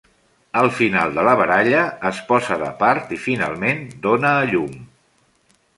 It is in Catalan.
Al final de la baralla, es posa de part i finalment dóna a llum.